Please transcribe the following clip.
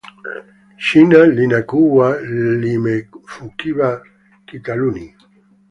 shina linakuwa limefukiwa kitaluni.